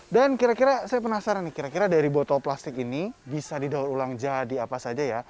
dan kira kira saya penasaran nih kira kira dari botol plastik ini bisa didaur ulang jadi apa saja ya